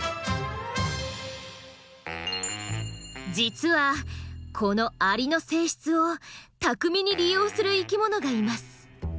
実はこのアリの性質を巧みに利用する生きものがいます。